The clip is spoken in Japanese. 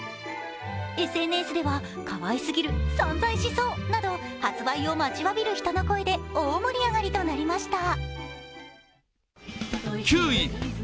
ＳＮＳでは、かわいすぎる、散財しそうなど発売を待ちわびる人の声で大盛り上がりとなりました。